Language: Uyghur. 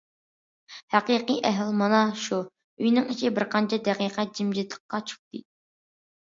ھەقىقىي ئەھۋال مانا شۇ... ئۆينىڭ ئىچى بىرقانچە دەقىقە جىمجىتلىققا چۆكتى.